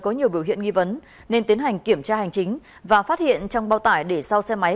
có nhiều biểu hiện nghi vấn nên tiến hành kiểm tra hành chính và phát hiện trong bao tải để sau xe máy